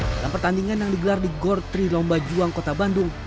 dalam pertandingan yang digelar di gor tri lomba juang kota bandung